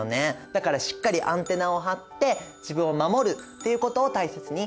だからしっかりアンテナを張って自分を守るということを大切に。